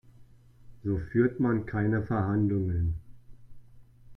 So führt man keine Verhandlungen.